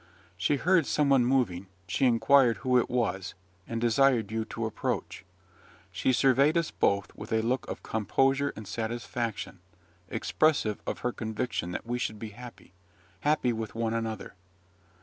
She heard some one moving: she inquired who it was, and desired you to approach. She surveyed us both with a look of composure and satisfaction, expressive of her conviction that we should be happy, happy with one another."